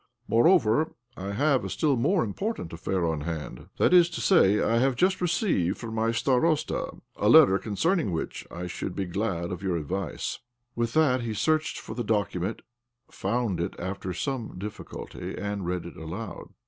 Moreover, I have a still more important affair on hand. That is to say, I have just received from my OBLOMOV 55 starosta a letter concerning which I should be glad of your advice." With that he searched for the document, found it after some difficulty, and read it aloud.